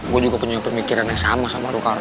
gue juga punya pemikiran yang sama sama rucal